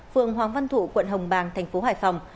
phường hoàng văn thụ quận hồng bàng thành phố hải phòng